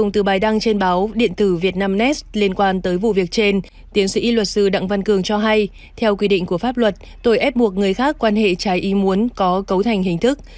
theo quy định của pháp luật tội ép buộc người khác quan hệ trái y muốn có cấu thành hình thức